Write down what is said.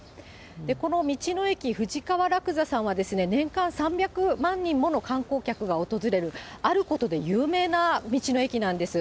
この道の駅、富士川楽座さんは、年間３００万人もの観光客が訪れる、あることで有名な道の駅なんです。